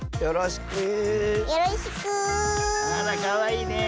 あらかわいいね。